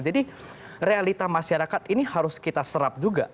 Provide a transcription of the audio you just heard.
jadi realita masyarakat ini harus kita serap juga